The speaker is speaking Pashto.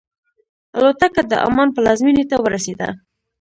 الوتکه د عمان پلازمینې ته ورسېده.